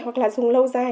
hoặc là dùng lâu dài